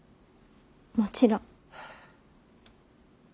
もちろん。